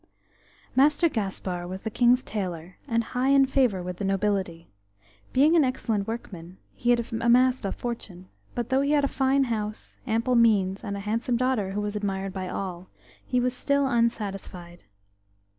ASTER GASPAR was the King's tailor, and high in favour with the nobility. Being an excellent workman he had amassed a fortune, but though he had a fine house, ample means, and a handsome daughter who was admired by all, he was still unsatisfied.